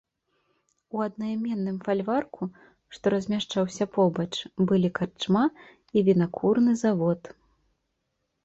У аднайменным фальварку, што размяшчаўся побач, былі карчма і вінакурны завод.